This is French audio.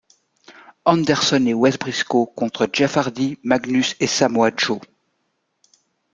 Anderson et Wes Brisco contre Jeff Hardy, Magnus et Samoa Joe.